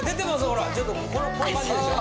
ほらちょっとこの感じでしょ。